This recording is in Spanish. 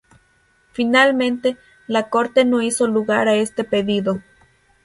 Finalmente, la Corte no hizo lugar a este pedido.